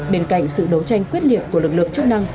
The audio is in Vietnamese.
bên cạnh sự đấu tranh quyết liệt của lực lượng chức năng